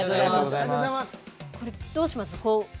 これ、どうします？